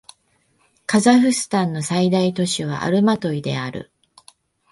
カザフスタンの最大都市はアルマトイである